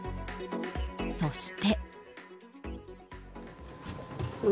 そして。